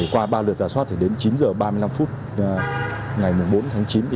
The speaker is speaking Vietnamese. qua ba lượt giả soát thì đến chín h ba mươi năm phút ngày bốn tháng chín